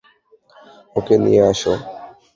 ওকে নিয়ে আসো।